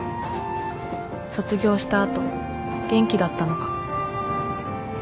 卒業した後元気だったのか